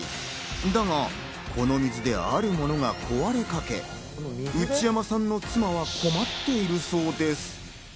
だが、この水であるものが壊れかけ、内山さんの妻は困っているそうです。